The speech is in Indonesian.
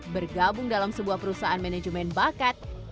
bergabung dalam sebuah perusahaan manajemen bakat